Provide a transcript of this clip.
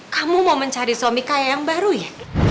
kamu mau mencari suami kaya yang baru ya